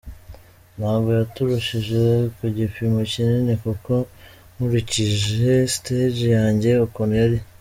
ntabwo yaturushije ku gipimo kinini kuko nkurikije stage yanjye ukuntu yari.